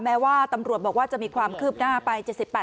แม้ว่าตำรวจบอกว่าจะมีความคืบหน้าไป๗๘